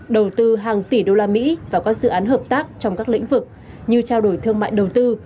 đầu tư hàng tỷ usd vào các dự án hợp tác trong các lĩnh vực như trao đổi thương mại đầu tư